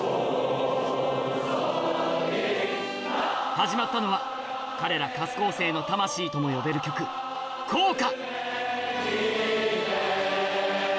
始まったのは彼ら春高生の魂とも呼べる曲校歌